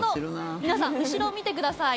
皆さん、後ろを見てください。